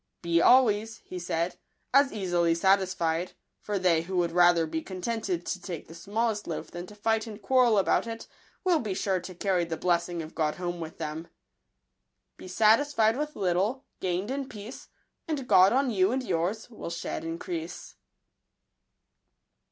" Be always," he said, " as easily satisfied ; for they who would rather be con tented to take the smallest loaf than to fight and quarrel about it, will be sure to carry the blessing of God home with them." Be satisfied with little, gain'd in peace, And God on yon and yours will shed increase.